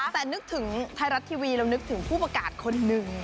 แต่นึกถึงไทยรัฐทีวีเรานึกถึงผู้ประกาศคนหนึ่ง